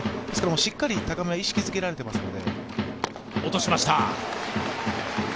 しっかり高めは意識づけられていますので。